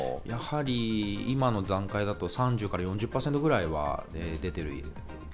やはり今の段階だと３０％から４０％ぐらいは出ている。